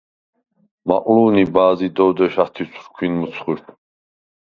მაყლუ̄ნი ბა̄ზი, “დოვ დეშ ა̈თუ̈ცვრ ქვინ მჷცხუშ”.